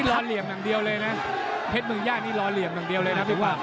รอเหลี่ยมอย่างเดียวเลยนะเพชรเมืองย่านี่รอเหลี่ยมอย่างเดียวเลยนะพี่ว่า